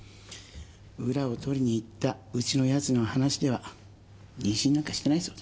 裏を取りにいったうちの奴の話では妊娠なんかしてないそうです。